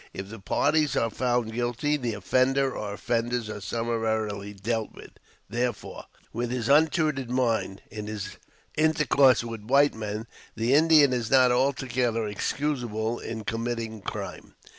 If the parties are found guilty, the offender or offenders are summarily dealt with therefore, "with his untutored mind," in his intercourse with white men, the Indian is not altogether excusable in committing crime.